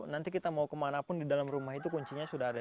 nanti kita mau kemanapun di dalam rumah itu kuncinya sudah ada